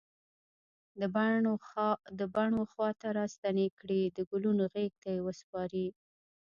د بڼ و خواته راستنې کړي د ګلونو غیږ ته یې وسپاری